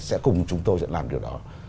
sẽ cùng chúng tôi sẽ làm điều đó